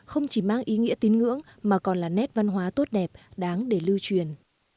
không chỉ mang ý nghĩa tín ngưỡng mà còn là nét văn hóa tốt đẹp đáng để lưu truyền